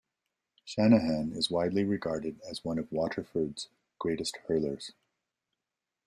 Shanahan is widely regarded as one of Waterford's greatest hurlers.